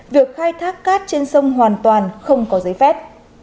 việc khai thác cát trên sông hoàn toàn không có giấy phép